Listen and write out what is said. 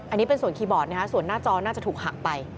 อันนี้เป็นส่วนคีย์บอร์ดนะฮะส่วนหน้าจอน่าจะถูกหักไป